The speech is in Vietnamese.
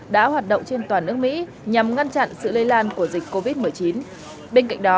đã hoạt động trên toàn nước mỹ